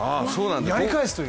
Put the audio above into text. やり返すという。